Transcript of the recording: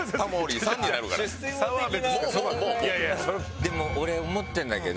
でも俺思ってんだけど。